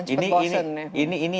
ini wall yang harus kita break gitu